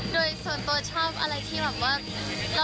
โดยส่วนตัวชอบอะไรที่แบบว่า